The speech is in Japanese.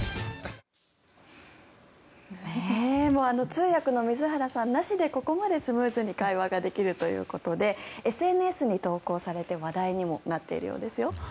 通訳の水原さんなしでここまでスムーズに会話ができるということでＳＮＳに投稿されて話題にもなっているようですよ。